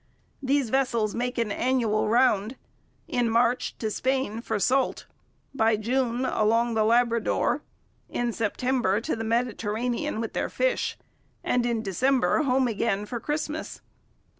These vessels make an annual round: in March to Spain for salt; by June along the Labrador; in September to the Mediterranean with their fish; and in December home again for Christmas.